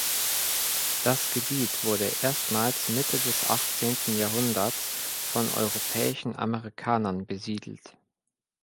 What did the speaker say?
Das Gebiet wurde erstmals Mitte des achtzehnten Jahrhunderts von europäischen Amerikanern besiedelt.